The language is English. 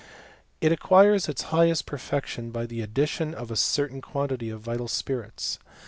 It acquires its highest perfection by the addition of a certain quantity of wksl spirits.